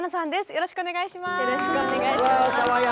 よろしくお願いします。